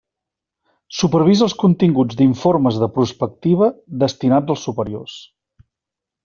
Supervisa els continguts d'informes de prospectiva destinats als superiors.